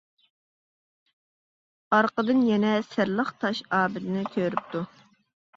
ئارقىدىن يەنە سىرلىق تاش ئابىدىنى كۆرۈپتۇ.